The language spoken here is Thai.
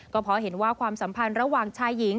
ก็เพราะเห็นว่าความสัมพันธ์ระหว่างชายหญิง